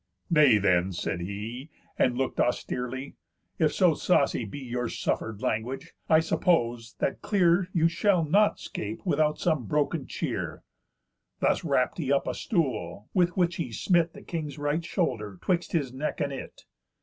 "Nay then," said he, And look'd austerely, "if so saucy be Your suffer'd language, I suppose, that clear You shall not 'scape without some broken cheer." Thus rapt he up a stool, with which he smit The king's right shoulder, 'twixt his neck and it.